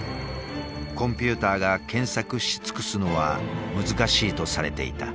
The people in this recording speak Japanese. コンピューターが検索し尽くすのは難しいとされていた。